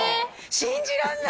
信じらんない